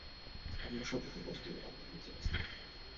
წარმოშობით იყო სტიუარტების დინასტიიდან.